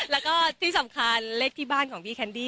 แล้วก็ที่สำคัญเลขที่บ้านของพี่แคนดี้